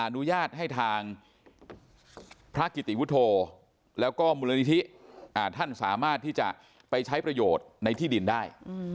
อนุญาตให้ทางพระกิติวุฒโธแล้วก็มูลนิธิท่านสามารถที่จะไปใช้ประโยชน์ในที่ดินได้